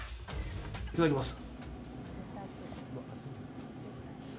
いただきます。